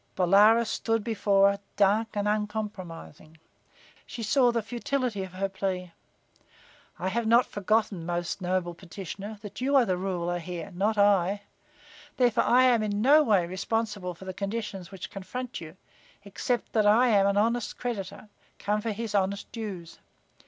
Bolaroz stood before her, dark and uncompromising. She saw the futility of her plea. "I have not forgotten, most noble petitioner, that you are ruler here, not I. Therefore I am in no way responsible for the conditions which confront you, except that I am an honest creditor, come for his honest dues.